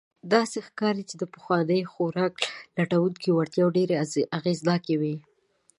داسې ښکاري، چې د پخوانیو خوراک لټونکو وړتیاوې ډېر اغېزناکې وې.